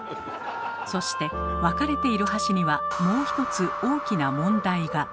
そして分かれている箸にはもう１つ大きな問題が！